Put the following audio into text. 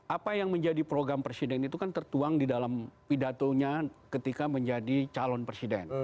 apa yang menjadi program presiden itu kan tertuang di dalam pidatonya ketika menjadi calon presiden